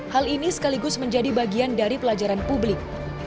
hal ini sekaligus menjadi bagian dari pelajaran publik